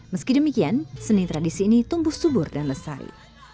meski demikian seni tradisi ini tumbuh subur dan lesai